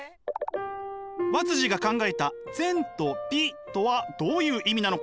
和が考えた善と美とはどういう意味なのか？